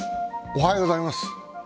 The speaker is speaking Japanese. おはようございます。